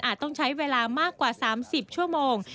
ต้องใช้เวลามากกว่า๓๐ชั่วโมง